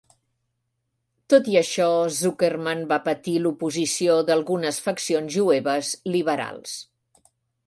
Tot i això, Zuckerman va patir l"oposició d"algunes faccions jueves liberals.